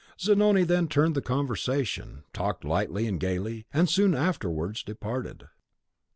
Zanoni then turned the conversation, talked lightly and gayly, and soon afterwards departed.